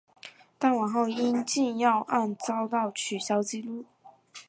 但往后因禁药案遭到取消记录。